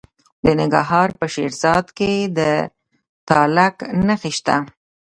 د ننګرهار په شیرزاد کې د تالک نښې شته.